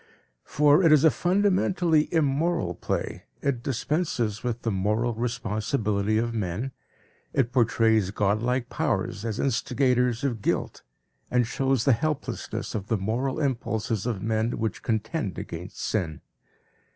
For it is a fundamentally immoral play, it dispenses with the moral responsibility of men, it portrays godlike powers as instigators of guilt, and shows the helplessness of the moral impulses of men which contend against sin.